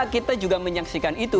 kita juga menyaksikan itu